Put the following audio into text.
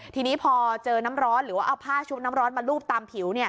ทีนี้พอเจอน้ำร้อนหรือว่าเอาผ้าชุบน้ำร้อนมาลูบตามผิว